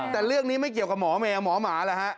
แต่เรื่องนี้ไม่เกี่ยวกับหมอแมวหมอหมาเหรอฮะ